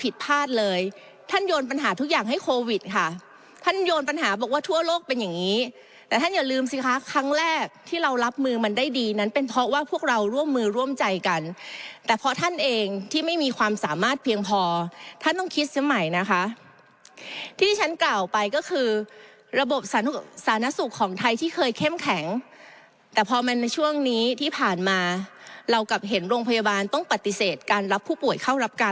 แต่ท่านอย่าลืมสิค่ะครั้งแรกที่เรารับมือมันได้ดีนั้นเป็นเพราะว่าพวกเราร่วมมือร่วมใจกันแต่เพราะท่านเองที่ไม่มีความสามารถเพียงพอท่านต้องคิดสมัยนะคะที่ฉันกล่าวไปก็คือระบบสาธารณสุขของไทยที่เคยเข้มแข็งแต่พอมันช่วงนี้ที่ผ่านมาเรากลับเห็นโรงพยาบาลต้องปฏิเสธการรับผู้ป่วยเข้ารับก